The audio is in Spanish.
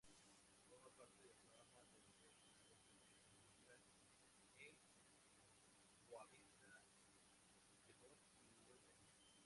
Forma parte del programa de diversos deportes que practica el Boavista Futebol Clube.